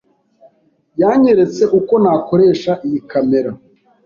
Yanyeretse uko nakoresha iyi kamera.